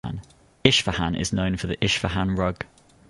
Isfahan is known for the Isfahan rug.